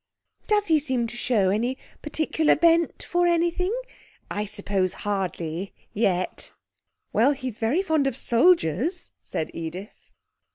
'Does he seem to show any particular bent for anything? I suppose hardly yet?' 'Well, he's very fond of soldiers,' said Edith.